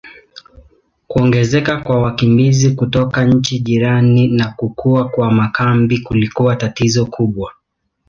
Kuongezeka kwa wakimbizi kutoka nchi jirani na kukua kwa makambi kulikuwa tatizo kubwa.